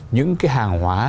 những cái hàng hóa nhập khẩu